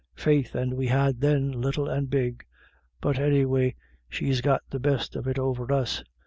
" Faith and we had then, little and big. But 284 IRISH IDYLLS. anyway she's got the best of it over us.